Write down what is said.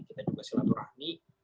kita juga silaturahmi